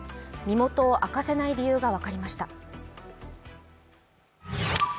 身元を明かせない理由が分かりました。